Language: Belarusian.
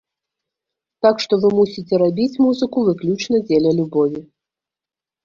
Так што, вы мусіце рабіць музыку выключна дзеля любові.